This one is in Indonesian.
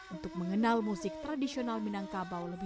untuk mengenal musik tradisional minangkabau lebih